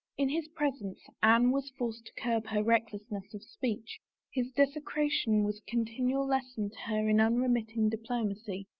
In his presence Anne was forced to curb her recklessness of speech. His discretion was a continual lesson to her in unremitting diplomacy.